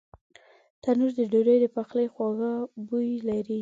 تنور د ډوډۍ د پخلي خواږه بوی لري